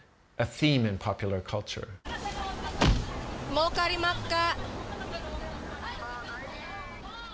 もうかりまっか？